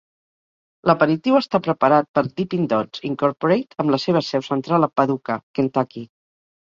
L"aperitiu està preparat per Dippin' Dots, Incorporate, amb la seva seu central a Paducah, Kentucky.